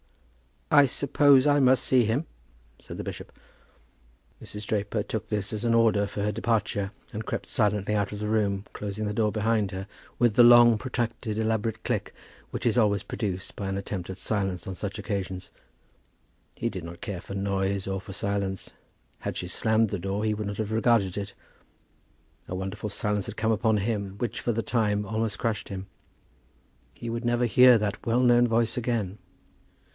"I suppose I must see him," said the bishop. Mrs. Draper took this as an order for her departure and crept silently out of the room, closing the door behind her with the long protracted elaborate click which is always produced by an attempt at silence on such occasions. He did not care for noise or for silence. Had she slammed the door he would not have regarded it. A wonderful silence had come upon him which for the time almost crushed him. He would never hear that well known voice again!